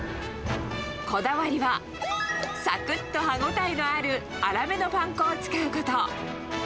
こだわりは、さくっと歯応えのある粗めのパン粉を使うこと。